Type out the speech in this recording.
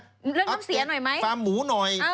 เรื่องน้ำเสียหน่อยไหมฟาร์มหมูหน่อย